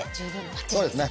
そうですね。